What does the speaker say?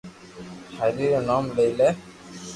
ھري رو نوم لي